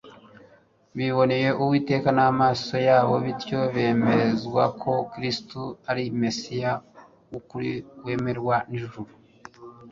Biboneye Uwiteka n'amaso yabo, bityo bemezwa ko Kristo ari Mesiya w'ukuri wemerwa n'ijuru,